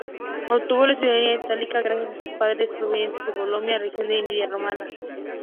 Obtuvo la ciudadanía italiana gracias a sus padres, provenientes de Bolonia, región de Emilia-Romaña.